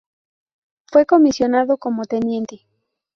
Fue comisionado como teniente.